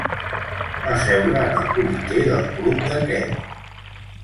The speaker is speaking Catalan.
Va seure en el comitè del club de Kent.